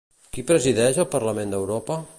Qui presideix el Parlament d'Europa?